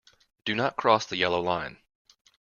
Do not cross the yellow line.